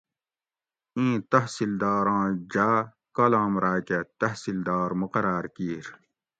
اِیں تحصیلداراں جاۤ کالام راۤکہ تحصیلدار مقراۤر کیر